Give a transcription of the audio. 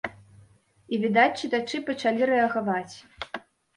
І, відаць, чытачы пачалі рэагаваць.